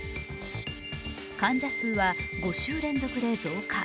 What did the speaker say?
患者数は５週連続で増加。